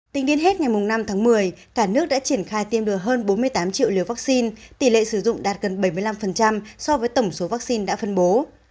tính đến hết ngày năm tháng một mươi cả nước đã triển khai tiêm được hơn bốn mươi tám triệu liều vaccine tỷ lệ sử dụng đạt gần bảy mươi năm so với tổng số vaccine đã phân bố